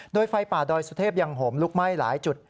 โดยไฟป่าดอยสุเทพยังห่มลุกไหม้หลายจุด